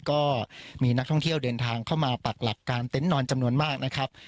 ก็มีนักท่องเที่ยวเดินทางเข้ามาปักหลักการเต็นต์นอนจำนวนมากนะครับ